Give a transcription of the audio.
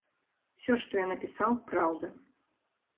Усё, што я напісаў, праўда.